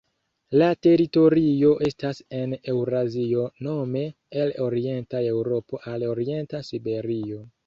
La teritorio estas en Eŭrazio nome el orienta Eŭropo al orienta Siberio.